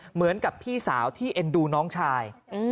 เหมือนกับพี่สาวที่เอ็นดูน้องชาย